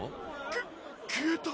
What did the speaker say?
き消えた？